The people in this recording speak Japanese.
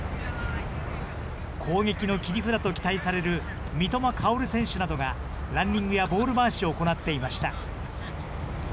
攻撃の切り札と期待される三笘薫選手などが、ランニングやボール回しを行っていました。